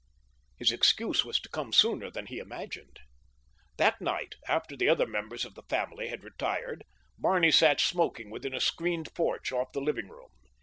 His excuse was to come sooner than he imagined. That night, after the other members of his family had retired, Barney sat smoking within a screened porch off the living room.